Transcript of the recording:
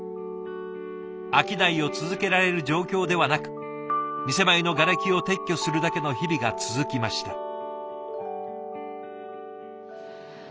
商いを続けられる状況ではなく店前のがれきを撤去するだけの日々が続きました。